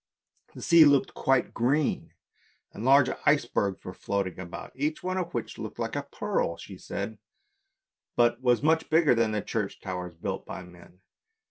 The sea looked quite green, and large icebergs were floating about, each one of which looked like a pearl, she said, THE MERMAID 5 but was much bigger than the church towers built by men.